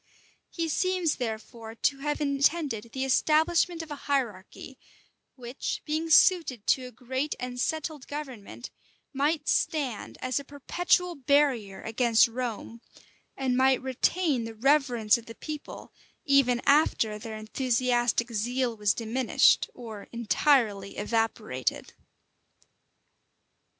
He seems therefore to have intended the establishment of a hierarchy, which, being suited to a great and settled government, might stand as a perpetual barrier against Rome, and might retain the reverence of the people, even after their enthusiastic zeal was diminished, or entirely evaporated.